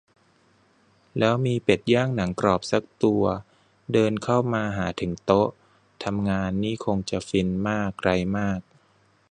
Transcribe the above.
แล้วมีเป็ดย่างหนังกรอบซักตัวเดินเข้ามาหาถึงโต๊ะทำงานนี่คงจะฟินมากไรมาก